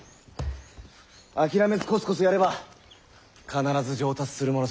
諦めずコツコツやれば必ず上達するものだ。